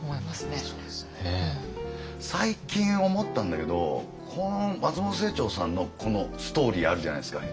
最近思ったんだけどこの松本清張さんのこのストーリーあるじゃないですか。